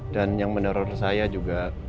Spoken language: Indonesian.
dan yang menurut saya juga